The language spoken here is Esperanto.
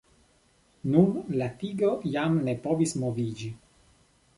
Nun la tigro jam ne povis moviĝi.